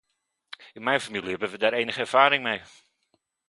In mijn familie hebben we daar enige ervaring mee!